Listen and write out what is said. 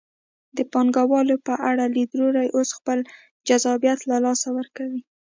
د پانګوالو په اړه لیدلوري اوس خپل جذابیت له لاسه ورکړی.